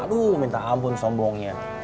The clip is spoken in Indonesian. aduh minta ampun sombongnya